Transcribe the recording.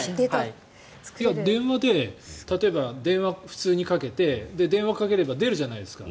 例えば電話、普通にかけて電話を掛けたら出るじゃないですか。